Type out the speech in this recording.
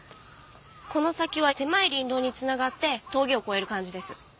この先は狭い林道に繋がって峠を越える感じです。